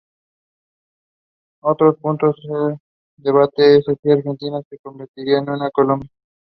Otro punto de debate es si Argentina se convertirá en una "Colombia".